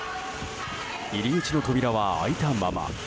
入り口の扉は開いたまま。